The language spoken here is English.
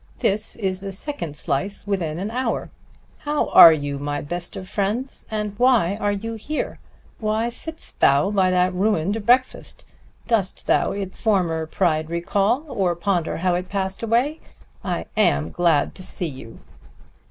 "This is the second slice within an hour. How are you, my best of friends? And why are you here? Why sit'st thou by that ruined breakfast? Dost thou its former pride recall, or ponder how it passed away? I am glad to see you!"